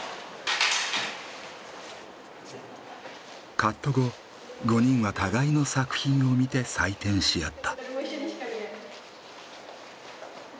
カット後５人は互いの作品を見て採点し合った。